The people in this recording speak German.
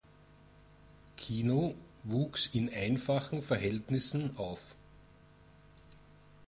Kino wuchs in einfachen Verhältnissen auf.